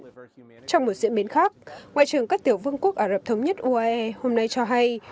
trong một diễn biến khác ngoại trưởng các tiểu vương quốc ả rập thống nhất uae hôm nay cho hay